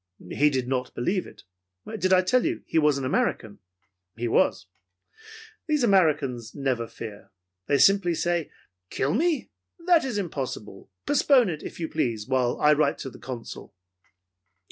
He did not believe it. Did I tell you he was an American? He was. These Americans never fear. They say simply, "Kill me? That is impossible. Postpone it, if you please, while I write to the Consul!"